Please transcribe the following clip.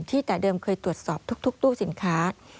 แต่เดิมเคยตรวจสอบทุกตู้สินค้า